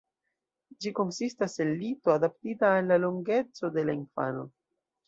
Ĝi konsistas el lito adaptita al la longeco de la infano.